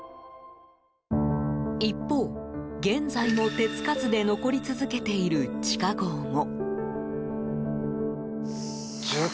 一方、現在も手つかずで残り続けている地下壕も。